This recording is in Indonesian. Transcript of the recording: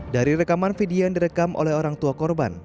dari rekaman video yang direkam oleh orang tua korban